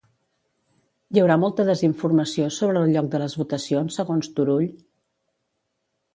Hi haurà molta desinformació sobre el lloc de les votacions, segons Turull?